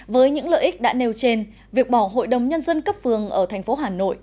với những lợi ích đã nêu trên việc bỏ hội đồng nhân dân cấp phường ở thành phố hà nội